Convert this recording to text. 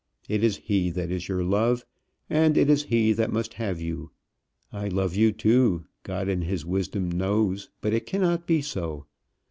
It is he that is your love, and it is he that must have you. I love you too, God in his wisdom knows, but it cannot be so.